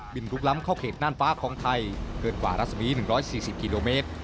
ลุกล้ำเข้าเขตน่านฟ้าของไทยเกินกว่ารัศมี๑๔๐กิโลเมตร